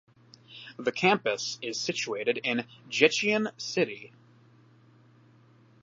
The campus is situated in Jecheon City.